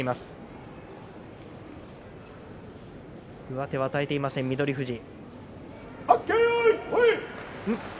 上手を与えていません、翠富士。